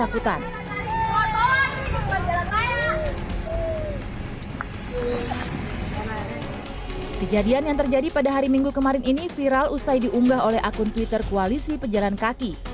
kejadian yang terjadi pada hari minggu kemarin ini viral usai diunggah oleh akun twitter koalisi pejalan kaki